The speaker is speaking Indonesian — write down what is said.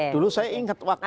dulu saya ingat waktu